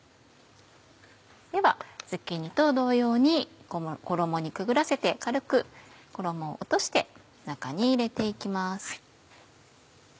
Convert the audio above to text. ではズッキーニと同様に衣にくぐらせて軽く衣を落として中に入れて行きます。